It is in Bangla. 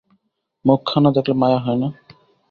মুখখানা দেখলে মায়া হয় না?